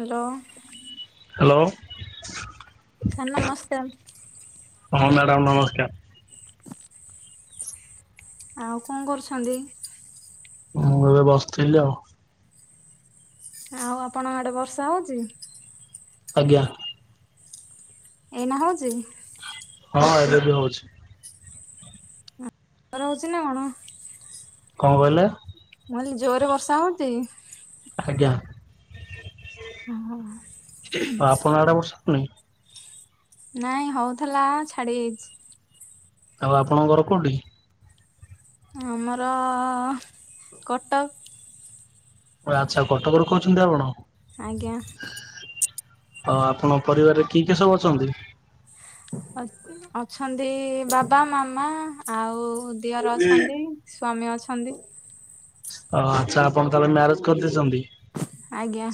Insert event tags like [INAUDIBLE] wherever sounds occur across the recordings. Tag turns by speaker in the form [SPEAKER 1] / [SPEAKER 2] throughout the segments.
[SPEAKER 1] Hello.
[SPEAKER 2] Hello.
[SPEAKER 1] Sir ନମସ୍କାର।
[SPEAKER 2] ହଁ madam ନମସ୍କାର।
[SPEAKER 1] [INAUDIBLE] ଆଉ ଙ୍କ କରୁଛନ୍ତି?
[SPEAKER 2] ମୁଁ ଏବେ ବସଥିଲି ଆଉ।
[SPEAKER 1] ଆଉ ଆପଣଙ୍କ ଆଡେ ବର୍ଷା ହଉଚି
[SPEAKER 2] ଆଜ୍ଞା।
[SPEAKER 1] ଏଇନା ହଉଚି
[SPEAKER 2] ହଁ ଏବେ ବି ହଉଚି।
[SPEAKER 1] ଜୋରେ ରହୁଚି ନା କଣ?
[SPEAKER 2] କଣ କହିଲେ?
[SPEAKER 1] କଇଲି ଜୋରେ ବର୍ଷା ହଉତି
[SPEAKER 2] ଆଜ୍ଞା।
[SPEAKER 1] ହଁ।
[SPEAKER 2] ହୁଁ।
[SPEAKER 1] ନାଇଁ ହଉଥିଲା ଛାଡିଯାଇଛି।
[SPEAKER 2] ଆଉ ଆପଣ ଘର କୋଉଠି?
[SPEAKER 1] ଆମର କଟକ।
[SPEAKER 2] ଆଛା କଟକର କହୁଛନ୍ତି ଆପଣ
[SPEAKER 1] ଆଜ୍ଞା।
[SPEAKER 2] ଆଉ ଆପଣ ପରିବାରରେ କିଏ କିଏ ସବୁ ଅଛନ୍ତି?
[SPEAKER 1] ଅଛନ୍ତି ବାବା ମାମା ଆଉ ଦିଅର ଅଛନ୍ତି ସ୍ଵାମୀ ଅଛନ୍ତି।
[SPEAKER 2] ଓ ଆଛା ଆପଣ ତାହେଲେ ମ୍ୟାରେଜ କରିଦେଇଚନ୍ତି।
[SPEAKER 1] ଆଜ୍ଞା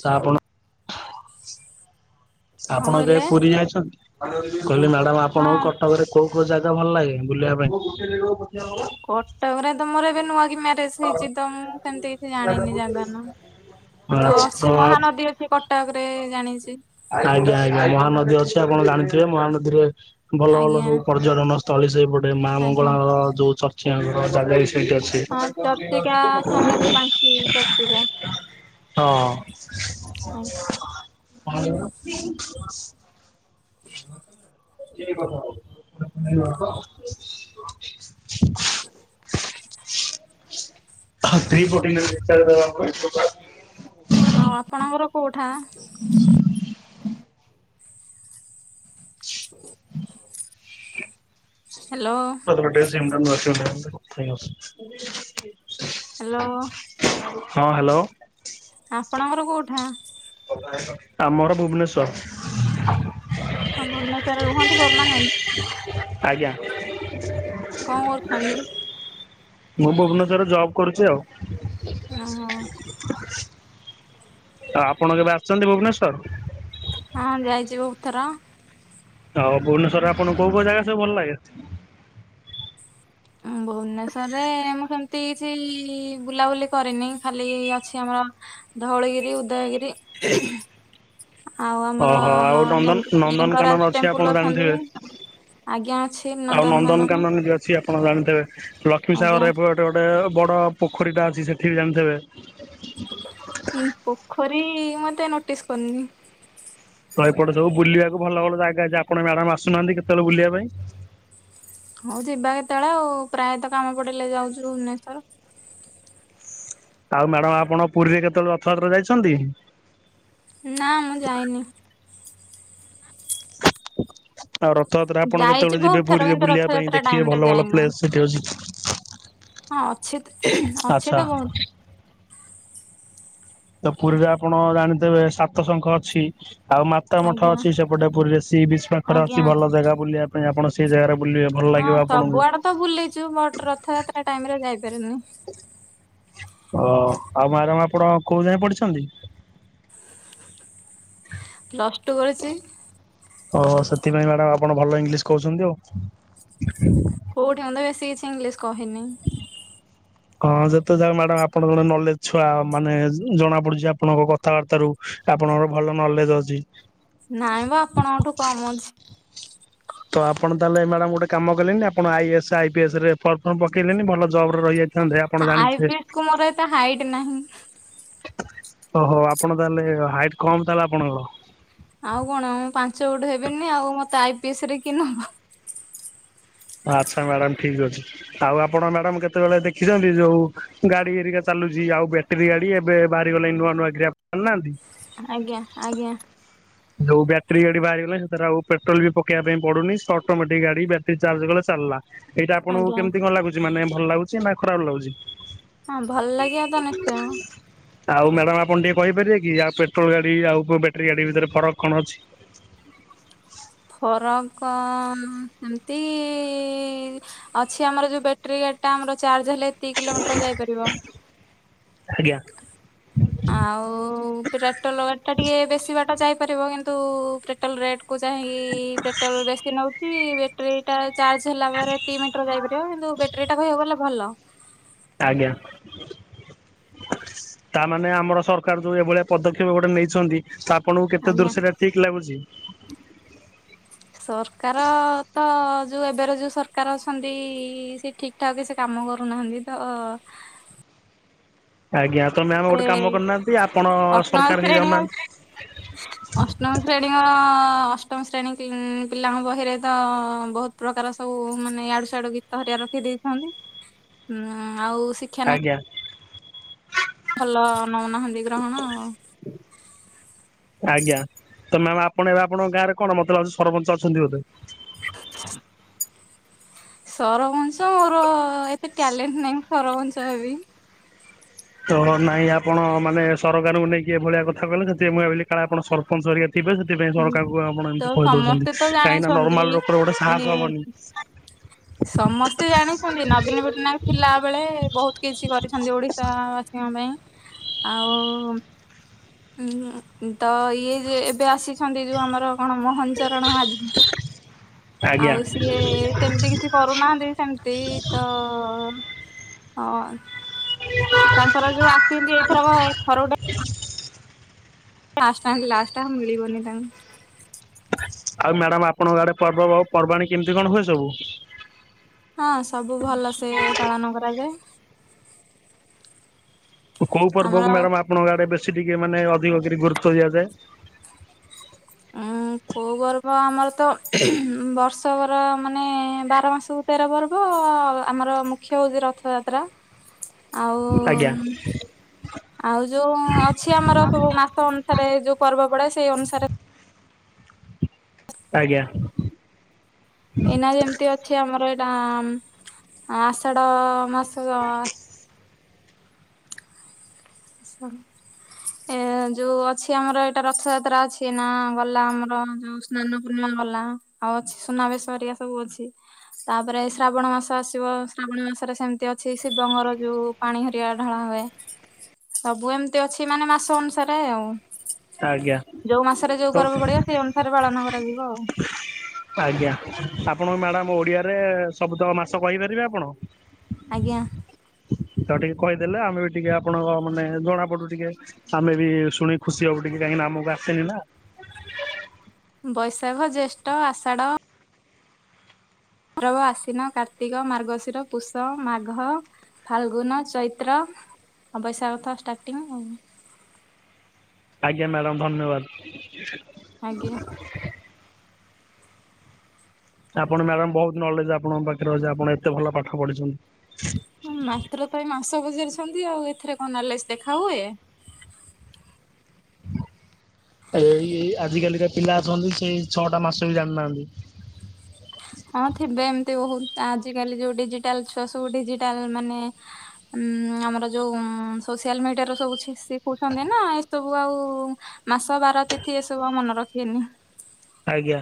[SPEAKER 2] ସା ଆପଣ
[SPEAKER 1] କଣ
[SPEAKER 2] ଆପଣ
[SPEAKER 1] କହିଲେ
[SPEAKER 2] କେବେ ପୁରୀ ଯାଇଛନ୍ତି କହିଲି ମ୍ୟାଡାମ ଆପଣକୁ
[SPEAKER 1] ହଁ
[SPEAKER 2] କଟକରେ କୋଉ କୋଉ ଜାଗା ଭଲ ଲାଗେ ବୁଲିବା ପାଇଁ
[SPEAKER 1] କଟକ ରେ ତ ମୋର ଏବେ ନୂଆ ମ୍ୟାରେଜ ହେଇଚି ତ ମୁଁ ସେମିତି କିଛି ଜାଣିନି ଯାଗା ନା।
[SPEAKER 2] ପାଇଁ
[SPEAKER 1] ତ
[SPEAKER 2] ଆଚ୍ଛା
[SPEAKER 1] ଅଛି
[SPEAKER 2] ତ
[SPEAKER 1] ମହାନଦୀ ଅଛି କଟକରେ ଜାଣିଛି।
[SPEAKER 2] ଆଜ୍ଞା ଆଜ୍ଞା ମହାନଦୀ ଅଛି ଆପଣ ଜାଣିଥିବେ ମହାନଦୀରେ ଭଲ ଭଲ
[SPEAKER 1] ଆଜ୍ଞା
[SPEAKER 2] ସବୁ ପର୍ଯ୍ୟଟନ ସ୍ଥଳୀ ସେପଟେ ମା
[SPEAKER 1] ଆଜ୍ଞା।
[SPEAKER 2] ମଙ୍ଗଳାଙ୍କର ଯୋଉ ଚର୍ଚ୍ଚିକାଙ୍କର ଜାଗା ସେଇଟି ଅଛି।
[SPEAKER 1] ହଁ ଚର୍ଚ୍ଚିକା ଅଛନ୍ତି ଯୋଉ ବାଙ୍କି ଚର୍ଚ୍ଚିକା
[SPEAKER 2] ହଁ।
[SPEAKER 1] ଆଉ
[SPEAKER 2] [UNINTELLIGIBLE] [UNINTELLIGIBLE]
[SPEAKER 1] [INAUDIBLE]
[SPEAKER 2] ହ ଥ୍ରୀ [UNINTELLIGIBLE]
[SPEAKER 1] ଆଉ ଆପଣଙ୍କର କୋଉଠା। ହ୍ୟାଲୋ ହ୍ୟାଲୋ
[SPEAKER 2] [UNINTELLIGIBLE] ହଁ ହ୍ୟାଲୋ।
[SPEAKER 1] ଆପଣଙ୍କର କୋଉଠା।
[SPEAKER 2] ଆମର ଭୁବନେଶ୍ଵର।
[SPEAKER 1] କଣ ଭୁବନେଶ୍ୱରରେ ରୁହନ୍ତି ପରମାନେଣ୍ଟ?
[SPEAKER 2] ଆଜ୍ଞା।
[SPEAKER 1] କଣ କରୁଛନ୍ତି।
[SPEAKER 2] ମୁଁ ଭୁବନେଶ୍ଵରରେ, ଜବ କରୁଛି ଆଉ।
[SPEAKER 1] ଓହୋ
[SPEAKER 2] ଆଉ ଆପଣ କେବେ ଆସିଛନ୍ତି ଭୁବନେଶ୍ୱର?
[SPEAKER 1] ହଁ ଯାଇଛି ବହୁତ ଥର।
[SPEAKER 2] ହଉ ଭୁବନେଶ୍ୱର ରେ ଆପଣଙ୍କୁ କୋଉ କୁ ଜାଗା ସବୁ ଭଲ ଲାଗେ।
[SPEAKER 1] ଉଁ ଭୁବନେଶ୍ଵରେ ଆମ ସେମତି ଏତି କିଛି ବୁଲାବୁଲି କରିନି ଖାଲି ଅଛି ଆମର ଧଉଳଗିରି ଉଦୟଗିରି। [UNINTELLIGIBLE] ଆଉ ଆମର
[SPEAKER 2] ଓହୋ ଆଉ ନନ୍ଦନ-ନନ୍ଦନକାନନ
[SPEAKER 1] ଲିଙ୍ଗରାଜ
[SPEAKER 2] ଅଛି
[SPEAKER 1] ଟେମ୍ପଲ
[SPEAKER 2] ଆପଣ
[SPEAKER 1] ଅଛନ୍ତି
[SPEAKER 2] ଜାଣିଥିବେ।
[SPEAKER 1] ଆଜ୍ଞା ଅଛି
[SPEAKER 2] ଆଉ ନନ୍ଦନକାନନ ଅଛି ଆପଣ ଜାଣିଥବେ ପ୍ଲ
[SPEAKER 1] ଆଜ୍ଞା।
[SPEAKER 2] ଲକ୍ଷ୍ମୀସାଗର। ଏପଟେ ଗୋଟେ ବଡ ପୋଖରୀଟା ଅଛି। ସେଠି ବି ଜାଣିଥିବେ।
[SPEAKER 1] ଉଁ, ପୋଖରୀ ମୁଁ ଏତେ ନୋଟିସ କରିନି।
[SPEAKER 2] ତ ଏପଟେ, ସବୁ ବୁଲିବାକୁ ଭଲ ଭଲ ଜାଗା ଅଛି ।ଆପଣ ମ୍ୟାଡାମ ଆସୁନାହାନ୍ତି। କେତେବେଳେ ବୁଲିବା ପାଇଁ।
[SPEAKER 1] ହଉ ଯିବା କେତେବେଳେ ଆଉ ।ପ୍ରାୟତଃ, କାମ ପଡିଲେ, ଯାଉଛୁ ଭୁବନେଶ୍ଵର।
[SPEAKER 2] ଆଉ ମ୍ୟାଡାମ, ଆପଣ ପୁରୀରେ କେତେବେଳେ ରଥପାତ୍ର ଯାଇଛନ୍ତି?
[SPEAKER 1] ନା ମୁଁ ଯାଇନି
[SPEAKER 2] ଆଉ ରଥଯାତ୍ରା ଆପଣ
[SPEAKER 1] ଯାଇଛି
[SPEAKER 2] କେତେବେଳେ
[SPEAKER 1] ବହୁତ
[SPEAKER 2] ଯିବେ
[SPEAKER 1] ଥର
[SPEAKER 2] ପୁରୀରେ
[SPEAKER 1] କିନ୍ତୁ
[SPEAKER 2] ବୁଲିବା ପାଇଁ
[SPEAKER 1] ରଥଯାତ୍ରା ଟାଇମ
[SPEAKER 2] ଦେଖିବେ
[SPEAKER 1] ରେ
[SPEAKER 2] ଭଲ ଭଲ
[SPEAKER 1] ଯାଇନି।
[SPEAKER 2] ପ୍ଲେସ ସେଠି ଅଛି।
[SPEAKER 1] ହଁ ଅଛିତ ଅଛି
[SPEAKER 2] ଆଚ୍ଛା
[SPEAKER 1] ତ ବହୁତ।
[SPEAKER 2] ତ ପୁରୀରେ ଆପଣ ଜାଣିଥେବେ ସାତ ଶଙ୍ଖ ଅଛି। ଆଉ ମାତା ମଠ
[SPEAKER 1] ଆଜ୍ଞା
[SPEAKER 2] ଅଛି ସେପଟେ। ପୁରୀରେ ସି ବିଚ ପାଖରେ
[SPEAKER 1] ଆଜ୍ଞା।
[SPEAKER 2] ଅଛି ଭଲ ଜାଗା ବୁଲିବା ପାଇଁ ।ଆପଣ ସେଇ ଜାଗାରେ ବୁଲିବେ ଭଲ
[SPEAKER 1] ହଁ
[SPEAKER 2] ଲାଗିବ ଆପଣଙ୍କୁ।
[SPEAKER 1] ସବୁଆଡେ ତ ବୁଲିଛୁ ବଟ ରଥଯାତ୍ରା ଟାଇମରେ ଯାଇପାରନି।
[SPEAKER 2] ଓ ଆଉ ମାରାମ ଆପଣ କୋଉ ଯାଏ ପଢ଼ିଛନ୍ତି।
[SPEAKER 1] ପ୍ଲସ ଟୁ କରିଛି।
[SPEAKER 2] ଓ ସେଥିପାଇଁ ମ୍ୟାଡ଼ାମ ଆପଣ ଭଲ ଇଂଲିଶ କହୁଛନ୍ତି ଆଉ।
[SPEAKER 1] କୋଉଠି ଅନଦ ବେଶୀ କିଛି ଇଂଲିଶ କହିନି।
[SPEAKER 2] ହଁ ଯେତେ ଯା ମ୍ୟାଡାମ ଆପଣଙ୍କ ଜଣେ ନଲେଜ ଛୁଆ ମାନେ ଜଣା ପଡୁଛି ଆପଣଙ୍କ କଥାବାର୍ତ୍ତା ରୁ। ଆପଣଙ୍କର ଭଲ ନଲେଜ ଅଛି।
[SPEAKER 1] ନାଇଁମ ଆପଣଙ୍କଠୁ କମ ଅଛି।
[SPEAKER 2] ତ ଆପଣ ତାହେଲେ ମ୍ୟାଡାମ ଗୋଟେ କାମ କଲେଣିି ଆପଣ ଆଇଏସ୍ ଆଇ ପି ଏସ୍ ରେ ଫର୍ମ ଫର୍ମ ପକେଇଲେଣିି ଭଲ ଜବରେ ରହିଯାଇଥାନ୍ତେ, ଆପଣ
[SPEAKER 1] ଆଇ ପି
[SPEAKER 2] ଜାଣିଥିବେ।
[SPEAKER 1] ଏସ୍ କୁ ମୋର ଏତେ ହାଇଟ ନାହିଁ।
[SPEAKER 2] ଓହୋ ଆପଣ ତାହେଲେ ହାଇଟ କମ୍ ତାହାଲେ ଆପଣଙ୍କର।
[SPEAKER 1] ଆଉ କଣ ମୁଁ ପାଞ୍ଚ ଫୁଟ ହେବିନି ଆଉ ମତେ ଆଇ ପି ଏସ ରେ କିଏ ନବ।
[SPEAKER 2] ଆଚ୍ଛା ମ୍ୟାଡାମ ଠିକ ଅଛି ଆଉ ଆପଣ ମ୍ୟାଡାମ କେତେବେଳେ ଦେଖିଛନ୍ତି ଯୋଉ ଗାଡି ଏରିକା ଚା ଚାଲୁ ଆଉ ବ୍ୟାଟେରୀ ଗାଡି ।ଏବେ ବାହାରିଗଲାଣି ନୂଆ ନୂଆ ଗ୍ରାପ ଜାଣି ନାହାନ୍ତି।
[SPEAKER 1] ଆଜ୍ଞା ଆଜ୍ଞା।
[SPEAKER 2] ଯୋଉ ବ୍ୟାଟ୍ରି ଗାଡି ବାହାରିଗଲା, ସେଥିରେ ଆଉ ପେଟ୍ରୋଲ ବି ପକବା ପାଇଁ ପଡୁନି। ସେ ଅଟୋମେଟିକ ଗାଡି ବ୍ୟଟି ଚାର୍ଜ କଲେ ସରଲା, ଏଇଟା ଆପଣଙ୍କୁ
[SPEAKER 1] ଆଜ୍ଞା
[SPEAKER 2] କେମିତି କଣ ଲାଗୁଚି ମାନେ ଭଲ ଲାଗୁଛି ନା ଖରାପ ଲାଗୁଚି?
[SPEAKER 1] ହଁ ଭଲ ଲାଗିବ ତ ନିଶ୍ଚୟ।
[SPEAKER 2] ଆଉ ମ୍ୟାଡ଼ାମ୍ ଆପ୍ ଣ ଟିକେ କହିପାରିବେ କି ଆଉ ପେଟ୍ରୋଲ ଗାଡି ଆଉ ବ୍ୟାଟେରୀ ଗାଡି ଭିତରେ ଫରକ କଣ ଅଛି?
[SPEAKER 1] ଫରକ ସେମିତି ଇ ଅଛି ଆମର ଯୋଉ ବ୍ୟାଟେରୀ ଏଟା ଆମ ଚାର୍ଜ ହେଲେ ଏତିକି କିଲୋମିଟର ଯାଇପାରିବ।
[SPEAKER 2] ଆଜ୍ଞା।
[SPEAKER 1] ଆଉ ପେଟ୍ରୋଲ ଗାଡିଟା ଟିକେ ବେଶୀ ବାଟ ଯାଇ ପାରିବ କିନ୍ତୁ ପେଟ୍ରୋଲ ରେଟ୍ କୁ ଚାହିଁଇକି ପେଟ୍ରୋଲ ବେଶୀ ନେଉଚି ବ୍ୟାଟେରୀଟା ଚାର୍ଜ ହେଲା ପରେ ଦିଇ ମିଟର ଯାଇପାରିବ କିନ୍ତୁ ବ୍ୟାଟେରୀ ଟା କହିବାକୁ ଗଲେ ଭଲ।
[SPEAKER 2] ଆଜ୍ଞା। ତାମାନେ ଆମର ସରକାର ଯୋଉ ଏଇଭଳିଆ ପଦକ୍ଷେପ ଗୋଟେ ନେଇଛନ୍ତି ତା ଆପଣଙ୍କୁ କେତ
[SPEAKER 1] ଆଜ୍ଞା।
[SPEAKER 2] ଦୂର୍ଶ୍ୟଟା ଠିକ୍ ଲାଗୁଚି?
[SPEAKER 1] ସରକାର ଅ ତ ଅ ଯୋଉ ଏବେର ଯୋଉ ସରକାର ଅଛନ୍ତି ସେ ଠିକ ଠାକ କିଛି କାମ କରୁନାହାନ୍ତି ତ। [INAUDIBLE]
[SPEAKER 2] ଆଜ୍ଞା ତ ମ୍ୟାମ
[SPEAKER 1] ସେ
[SPEAKER 2] ଗୋଟେ କାମ କରୁନାହାନ୍ତି ଆପଣ
[SPEAKER 1] ଅଷ୍ଟମ
[SPEAKER 2] ସରକାର
[SPEAKER 1] ଶ୍ରେଣୀ
[SPEAKER 2] ହେଇଯାଉନାହାନ୍ତି?
[SPEAKER 1] ଅଷ୍ଟମ ଶ୍ରେଣୀଙ୍କର ଅ ଅଷ୍ଟ୍ ଅଷ୍ଟମ ଶ୍ରେଣୀ ପିଲାଙ୍କ ବହିରେ ତ ବହୁତ ପ୍ରକାର ସବୁ ମାନେ ଆଡ଼ୁ ସିଆଡୁ ଗୀତ ହରିବା ରଖିଦି ନ୍ତି ଆଉ ଶିକ୍ଷାନୁଷ୍ଠାନ
[SPEAKER 2] ଆଜ୍ଞା।
[SPEAKER 1] ଭଲ ନଉନାହାନ୍ତି ଗ୍ରହଣ ଆଉ
[SPEAKER 2] ଆଜ୍ଞା ତ ମ୍ୟାମ୍ ଆପଣ ଏବେ ଆପଣଙ୍କ ଗାଁ ରେ କଣ ମତେ ଲାଗୁଚି ସରପଞ୍ଚ ଅଛନ୍ତି ବୋଧେ।
[SPEAKER 1] [INAUDIBLE] ସରପଞ୍ଚ ମୋର ଏତେ ଟ୍ୟାଲେଣ୍ଟ୍ ନାହିଁ ସରପଞ୍ଚ ହେବି।
[SPEAKER 2] ତ ନାଇଁ ଆପଣ ମାନେ ସରକାରଙ୍କୁ ନେଇକି ଏଭଳିଆ କଥା କହିଲେ ସେଥି ଆଇଁ ମୁଁ ଭାବିଲି କାଳେ ଆପଣ ସରପଞ୍ଚ ହରିକା ଥିବେ ସେଥିପାଇଁ ସରକାରଙ୍କୁ ଆପଣ
[SPEAKER 1] ତ
[SPEAKER 2] ଏମିତି
[SPEAKER 1] ସମସ୍ତେ
[SPEAKER 2] କହିଦଉଚନ୍ତି
[SPEAKER 1] ତ
[SPEAKER 2] କାହିଁକି
[SPEAKER 1] ଜାଣିଛନ୍ତି
[SPEAKER 2] ନର୍ମାଲ୍ ଲୋକର ଗୋଟେ ସାହସ
[SPEAKER 1] ଏ
[SPEAKER 2] ହବନି।
[SPEAKER 1] ସମସ୍ତେ ଜାଣିଚନ୍ତି ନବୀନ ପଟ୍ଟନାୟକ ଥିଲା ବେଳେ ବହୁତ କିଛି କରିଛନ୍ତି ଓଡିଶା ବାସୀଙ୍କ ପାଇଁ ଆଉ। ହଁ ତ ଇଏ ଯେ ଏବେ ଆସି ଛନ୍ତି ଯୋଉ ଆମର କଣ ମୋହନ ଚରଣ ମାଝି
[SPEAKER 2] ଆଜ୍ଞା
[SPEAKER 1] ଆଉ ସିଏ ସେମିତି କିଛି କରୁନାହାନ୍ତି ସେମତି ତ ହ। ତାଙ୍କର ଯୋଉ ଆସିଚନ୍ତି ଏଇଥରକ ଥରେ ଗୋଟେ
[SPEAKER 2] [INAUDIBLE]
[SPEAKER 1] ଲାଷ୍ଟ ଟାଇମ ଲାଷ୍ଟା ମିଳିିବନି ତାଙ୍କ
[SPEAKER 2] ଆଉ ମ୍ୟାଡାମ୍ ଆପଣଙ୍କ ଆଡେ ପର୍ବ ପର୍ବାଣୀ କେମିତି କଣ ହୁଏ ସବୁ?
[SPEAKER 1] ହଁ ସବୁ ଭଲସେ ପାଳନ କରାଯାଏ।
[SPEAKER 2] କୋଉ ପର୍ବ
[SPEAKER 1] ଆମର
[SPEAKER 2] ମାଡମ୍ ଆପଣଙ୍କ ଆଡେ ବେ ଶୀ ଟିକେ ମାନେ ଅଧିକ କରି ଗୁରୁତ୍ୱ ଦିଆଯାଏ?
[SPEAKER 1] ଉଁ କୋଉ ପର୍ବ ଆମର ତ ବର୍ଷ କର ମାନେ ବାର ମାସ ତେର ପର୍ବ ଆମର ମୁଖ୍ୟ ହଉଚି ରଥଯାତ୍ରା।
[SPEAKER 2] ଆଜ୍ଞା।
[SPEAKER 1] ଆଉ [INAUDIBLE] ଆଉ ଯୋଉ ଅଛି ଆମର ସବୁ ମାସ ଅନୁସାରେ ଯୋଉ ପର୍ବ ପଡେ ସେଇ ଅନୁସାରେ
[SPEAKER 2] ଆଜ୍ଞା।
[SPEAKER 1] ଏଇନା ଯେମିତି ଅଛି ଆମର ଏ ଆଁ ଆଷାଢ ମାସ ଆସ ଏ ଯୋଉ ଅଛି ଆମର ଏଇଟା ରଥ ଯାତ୍ରା ଅଛି ନା ଗଲା ଆମର ଯୋଉ ସ୍ନାନ ପୂର୍ଣ୍ଣ ଗଲା ଆଉ ଅଛି ସୁନାବେଶ ଘେରିକା ସବୁ ଅଛି। ତାପରେ ଶ୍ରାବଣ ମାସ ଆସିବ ଶ୍ରାବଣ ମାସରେ ସେମିତି ଅଛି ଶିବଙ୍ଗର ଯୋଉ ପାଣି ହରିଆ ଢାଳା ହୁଏ ସବୁ ଏମିତି ଅଛି ମାନେ ମାସ ଅନୁସାରେ ଆଉ।
[SPEAKER 2] ଆଜ୍ଞା
[SPEAKER 1] ଯୋଉ ମାସରେ ଯୋଉ
[SPEAKER 2] ତ
[SPEAKER 1] ପର୍ବ ପଡିବ ସେଇ ଅନୁସାରେ ପାଳନ କରାଯିବ ଆଉ।
[SPEAKER 2] ଆଜ୍ଞା ଆପଣ ମ୍ୟାଡାାମ ଓଡିଆରେ ସବୁ ତ ମାସ କହିପାରିବେ ଆପଣ?
[SPEAKER 1] ଆଜ୍ଞା।
[SPEAKER 2] ତ ଟିକେ କହିଦେଲେ ଆମେ ବି ଟିକେ ଆପଣଙ୍କ ମାନେ ଜଣାପଡୁ ଟିକେ ଆମେ ବି ଶୁଣି ଖୁସି ହବୁ ଟିକେ କାହିଁକି ନା ଆମକୁ ଆସେନି ନା।
[SPEAKER 1] ବୈଶାଖ, ଜ୍ୟେଷ୍ଠ, ଆଷାଢ ଭାଦ୍ରବ, ଆଷିନ, କାର୍ତ୍ତିକ, ମାର୍ଗଶିର, ପୌଷ, ମାଘ ଫାଲଗୁନ, ଚୈତ୍ର, ବୈଶାଖଥ ଷ୍ଟାର୍ଟିଂ ଆଉ
[SPEAKER 2] ଆଜ୍ଞା ମ୍ୟାଡ଼ାମ ଧନ୍ୟବାଦ।
[SPEAKER 1] ଆଜ୍ଞା।
[SPEAKER 2] ଆପଣ ମ୍ୟାଡାମ ବହୁତ ନଲେଜ ଆପଣଙ୍କ ପାଖରେ ଅଛି ଆପଣ ଏତେ ଭଲ ପାଠ ପଢିଛନ୍ତି।
[SPEAKER 1] ହଁ ମାତ୍ର ପାଇଁ ମାସ ପଚାରିଛନ୍ତି ଏଥିରେ କଣ ନଲେଜ ଦେଖାହୁଏ? [INAUDIBLE]
[SPEAKER 2] ଏଇ ଆଜିକାଲିକା ପିଲା ଅଛନ୍ତି ସେଇ ଛଅଟା ମାସ ବି ଜାଣିନାହାନ୍ତି।
[SPEAKER 1] ହଁ ଥିବେ ଏମିତି ବହୁତ ଆଜିକାଲି ଯୋଉ ଡିଜିଟାଲ ଛୁଆ ସବୁ ଡିଜିଟାଲ ମାନେ ଉଁ ଆମର ଯୋଉ ସୋସିଆଲ ମିଡିଆରେ ସବୁ ଶିଖ ଶିଖଉଛନ୍ତି ନା ଏସବୁ ଆଉ ଦଶ ବାର ତିଥି ଏସବୁ ଆଉ ମନେ ରଖିବେନି।
[SPEAKER 2] ଆଜ୍ଞା।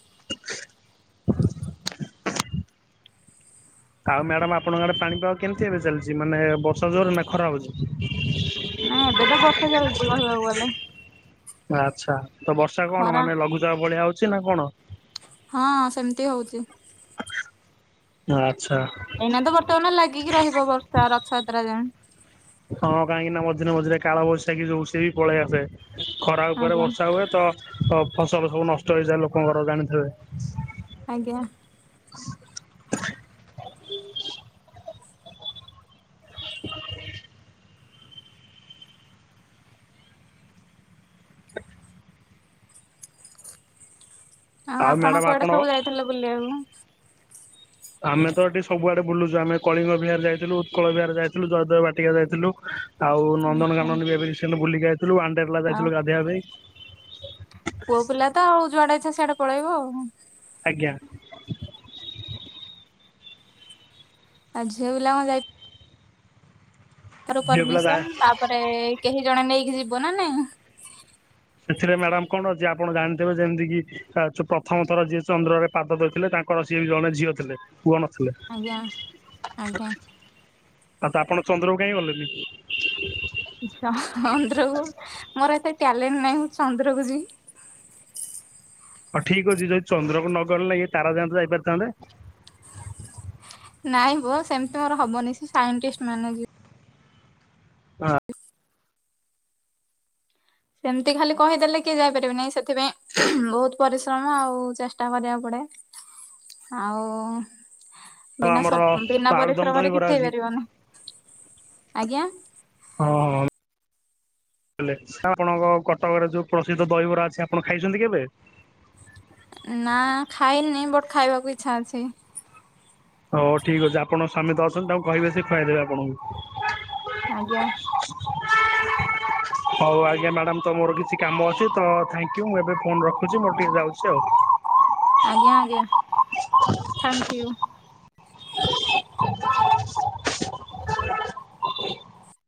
[SPEAKER 2] [INAUDIBLE] ଆଉ ମ୍ୟାଡାମ ଆପଣଙ୍କ ଆଡେ ପାଣିପାଗ କେମିତି ଏବେ ଚାଲିଛି ମାନେ ବର୍ଷା ଜୋର ନା ଖରା ହଉଛି?
[SPEAKER 1] ନାଇଁ ଏବେ ତ ବର୍ଷା ଚାଲିଛି କହିବାକୁ ଗଲେ।
[SPEAKER 2] ଆଚ୍ଛା ତ ବର୍ଷା କଣ
[SPEAKER 1] ଖରା।
[SPEAKER 2] ମାନେ ଲଘୁଚାପ ଭଳିଆ ହଉଛି ନା କଣ?
[SPEAKER 1] ହଁ ସେମିତି ହଉଛି।
[SPEAKER 2] ହଁ [UNINTELLIGIBLE]
[SPEAKER 1] ଏଇନା ତ ବର୍ତ୍ତମାନ ଲାଗିକି ରହିବ ବର୍ଷା ରଥଯାତ୍ରା ଯାଏଁ।
[SPEAKER 2] ହଁ କାହିଁକି ନା ମଝିରେ ମଝିରେ କାଳ ବୈଶାଖ ଯୋଉ ସିଏ ବି ପଳେଇ ଆସେ। [INAUDIBLE]
[SPEAKER 1] ଆଜ୍ଞା। ଆଜ୍ଞା।
[SPEAKER 2] [UNINTELLIGIBLE]
[SPEAKER 1] ଆଉ ଆପଣ କୁଆଡ଼େ ସବୁ ଯାଇଥିଲେ ବୁଲିବାକୁ?
[SPEAKER 2] ଆମେ ତ ଏଠି ସବୁଆଡେ ବୁଲୁଛୁ ଆମେ କଳିଙ୍ଗ ବିହାର ଯାଇଥିଲୁ ଉତ୍କଳ ବିହାର ଯାଇଥିଲୁ ଜୟଦେବ ବାଟିକା ଯାଇଥିଲୁ। ଆଉ ନନ୍ଦନ
[SPEAKER 1] ଆଚ୍ଛା
[SPEAKER 2] ଗାନନ ବି ଏବେ ରିସେଣ୍ଟ ବୁଲିକି ଆଇଥିଲୁ ଆଣ୍ଡେଲା
[SPEAKER 1] ଆଉ
[SPEAKER 2] ଯାଇଥିଲୁ ଗାଧୋଇବା ପାଇଁ।
[SPEAKER 1] ପୁଅ ପିଲା ତ ଆଉ ଯୁଆଡେ ଇଚ୍ଛା ସିଆଡେ ପଳେଇବ।
[SPEAKER 2] ଆଜ୍ଞା।
[SPEAKER 1] ଆଉ ଝିଅପିଲା କଣ ଯାଇ ପ୍ରଥମେ
[SPEAKER 2] ଝିଅ ପିଲା ଯା
[SPEAKER 1] ପରମିସନ ତାପରେ କେହି ଜଣେ ନେଇକି ଯିବ ନା ନାଇଁ।
[SPEAKER 2] ସେଥିରେ ମ୍ୟାଡାମ କଣ ଅଛି ଆପଣ ଜାଣିଥିବେ ଯେମିତି କିି ପ୍ରଥମ ଥର ଯିଏ ଚନ୍ଦ୍ରରେ ପାଦ ଦେଇଥିଲେ ତାଙ୍କର ସିଏ ବି ଜଣେ ଝିଅ ଥିଲେ ପୁଅ ନଥିଲେ।
[SPEAKER 1] ଆଜ୍ଞା ଆଜ୍ଞା
[SPEAKER 2] ଆଉ ତ ଆପଣ ଚନ୍ଦ୍ରକୁ କାହିଁ ଗଲେନି?
[SPEAKER 1] ହଁ ହଁ ଚନ୍ଦ୍ରକୁ ମୋର ଏତେ ଟ୍ୟାଲେଣ୍ଟ ନାହିଁ ଚନ୍ଦ୍ରକୁ ଯିବି। [INAUDIBLE]
[SPEAKER 2] ହଁ ଠିକ ଅଛି ଯଦି ଚନ୍ଦ୍ରକୁ ନଗଲ ନାହିଁ ଇଏ ତାରା ଯଣ୍ଟ ଯାଇପାରିଥାନ୍ତେ।
[SPEAKER 1] ନାଇଁ ହୋ ସେମିତି ମୋର ହବନି ସେ ସାଇଣ୍ଟିଷ୍ଟ ମାନେ ଯିବ
[SPEAKER 2] ଆ
[SPEAKER 1] ସେମତି ଖାଲି କହିଦେଲେ କିଏ ଯାଇପାରିବେ ନାହିଁ ସେଥିପାଇଁ ବହୁତ ପରିଶ୍ରମ ଆଉ ଚେଷ୍ଟା କରିବାକୁ ପଡିବ। ଆଉ
[SPEAKER 2] ହଁ
[SPEAKER 1] ବିନା
[SPEAKER 2] ଆମର
[SPEAKER 1] ସ୍ବପ୍ନ ବିନା
[SPEAKER 2] ଆଳୁଦମ
[SPEAKER 1] ପରିଶ୍ରମରେ
[SPEAKER 2] ଦହିବରା
[SPEAKER 1] କିଛି
[SPEAKER 2] ଅଛି
[SPEAKER 1] ହେଇପାରିବନି। ଆଜ୍ଞା।
[SPEAKER 2] ହଁ ହଁ। ହେଲେ ଆଉ ଆପଣଙ୍କ କଟକରେ ଯୋଉ ପ୍ରସିଦ୍ଧ ଦହିବରା ଅଛି, ଆପଣ ଖାଇଛନ୍ତି କେବେ?
[SPEAKER 1] ନା ଖାଇନି ବଟ୍ ଖାଇବାକୁ ଇଚ୍ଛା ଅଛି।
[SPEAKER 2] ହଉ ଠିକ ଅଛି ଆପଣଙ୍କ ସ୍ୱାମୀ ତ ଅଛନ୍ତି, ତାଙ୍କୁ କହିବେ ସେ ଖୁଆଇଦେବେ ଆପଣଙ୍କୁ।
[SPEAKER 1] ଆଜ୍ଞା
[SPEAKER 2] ହଉ ଆଜ୍ଞା ମ୍ୟାଡ଼ାମ ତ ମୋର କିଛି କାମ ଅଛି, ତ ଥ୍ୟାଙ୍କ ୟୁ ମୁଁ ଏବେ ଫୋନ ରଖୁଛି ମୋର ଟିକେ ଯାଉଛି ଆଉ।
[SPEAKER 1] ଆଜ୍ଞା ଆଜ୍ଞା ଥ୍ୟାଙ୍କ ୟୁ।